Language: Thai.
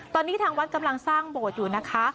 ตอนนี้ทางวัดกำลังสร้างโบสถ์อยู่นะคะ